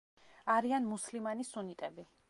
არიან მუსლიმანი სუნიტები.